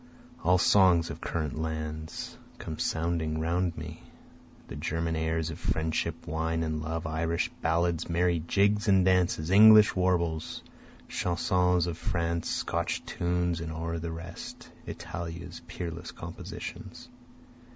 All songs of current lands come sounding round me, The German airs of friendship, wine and love, Irish ballads, merry jigs and dances, English warbles, Chansons of France, Scotch tunes, and o'er the rest, Italia's peerless compositions.